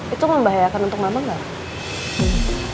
itu membahayakan untuk mama nggak